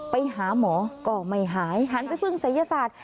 ไปหาหมอก็ไม่หายหันไปพึ่งศัยศาสตร์